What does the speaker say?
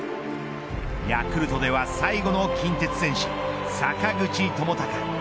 ヤクルトでは最後の近鉄戦士坂口智貴。